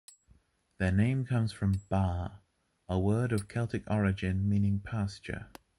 Their name comes from “bar”, a word of Celtic origin meaning pasture.